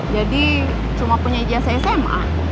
jadi cuma punya ijazah sma